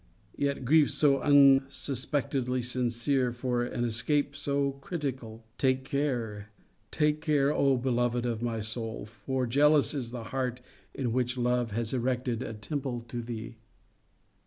Yet grief so unsuspectedly sincere for an escape so critical! Take care, take care, O beloved of my soul! for jealous is the heart in which love has erected a temple to thee.